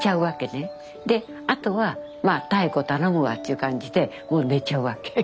であとはまあ妙子頼むわっちゅう感じでもう寝ちゃうわけ。